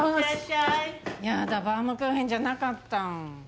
やだバウムクーヘンじゃなかった。